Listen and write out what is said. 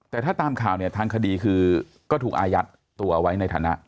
แต่ถ้าตามข่าวเนี่ยทางคดีคือก็ถูกอายัดตัวไว้ในฐานะ